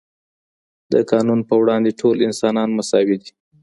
د قانون په وړاندې ټول انسانان مساوي دي.